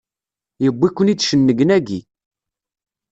Yewwi-ken-d cennegnagi!